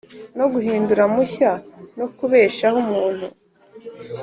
no guhindura mushya no kubeshaho umuntu.